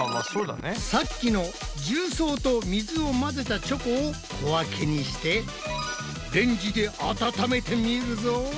さっきの重曹と水を混ぜたチョコを小分けにしてレンジで温めてみるぞ。